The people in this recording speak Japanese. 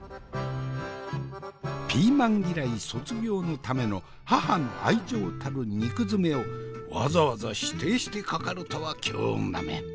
ピーマン嫌い卒業のための母の愛情たる肉詰めをわざわざ否定してかかるとは京女め！